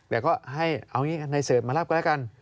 แล้วก็ให้ในเสิร์ตมารับก็แล้วกัน